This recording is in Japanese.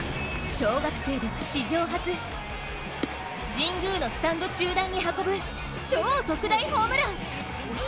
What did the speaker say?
小学生では史上初、神宮のスタンド中段に運ぶ超特大ホームラン。